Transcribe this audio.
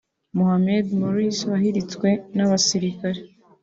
Mohammed Morsi wahiritswe n’abasirikare